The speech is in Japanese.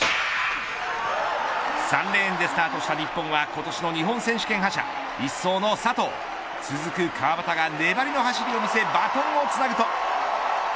３レーンでスタートした日本は今年の日本選手権覇者一走の佐藤続く川端が粘りの走りを見せバトンをつなぐと。